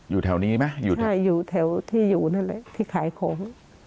อยู่แถวนี้ไหมอยู่ไหนใช่อยู่แถวที่อยู่นั่นแหละที่ขายของ